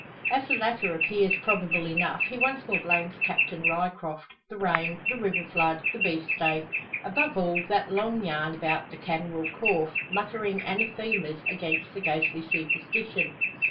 As the latter appears probable enough, he once more blames Captain Ryecroft, the rain, the river flood, the beefsteak above all, that long yarn about the canwyll corph, muttering anathemas against the ghostly superstition.